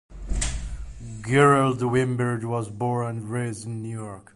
Gerald Weinberg was born and raised in New York.